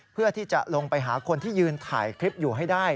เพื่อที่จะลงไปหาคนที่ยืนถ่ายคลิปอยู่ให้ได้